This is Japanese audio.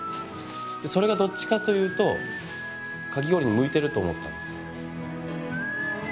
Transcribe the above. でそれがどっちかというとかき氷に向いてると思ったんですよ。